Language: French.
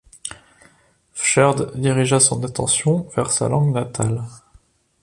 Všehrd dirigea son attention vers sa langue natale.